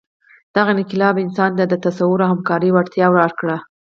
دغه انقلاب انسان ته د تصور او همکارۍ وړتیا ورکړه.